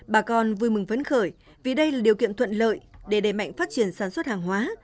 bà con vui mừng vấn khởi vì đây là điều kiện thuận lợi để đề mạnh phát triển sản xuất hàng hóa